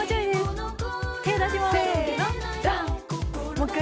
もう１回。